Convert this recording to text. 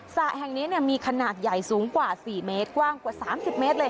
สระแห่งเนี้ยเนี้ยมีขนาดใหญ่สูงกว่าสี่เมตรกว้างกว่าสามสิบเมตรเลย